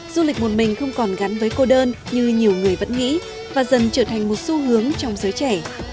du lịch một mình không còn gắn với cô đơn như nhiều người vẫn nghĩ và dần trở thành một xu hướng trong giới trẻ